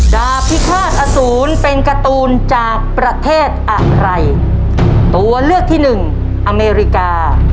ดาบพิฆาตอสูรเป็นการ์ตูนจากประเทศอะไรตัวเลือกที่หนึ่งอเมริกา